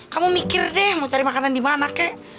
kamu mikir deh mau cari makanan di mana kek